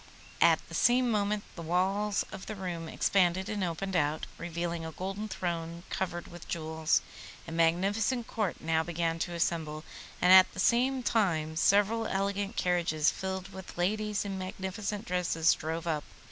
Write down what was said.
At the same moment the walls of the room expanded and opened out, revealing a golden throne covered with jewels. A magnificent Court now began to assemble, and at the same time several elegant carriages filled with ladies in magnificent dresses drove up.